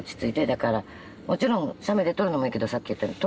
だからもちろん写メで撮るのもいいけどさっき言ったように。